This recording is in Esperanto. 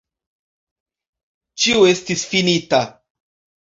Ĉio estis finita.